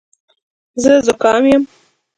زه زکام یم.